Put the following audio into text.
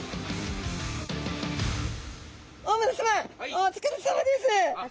お疲れさまです。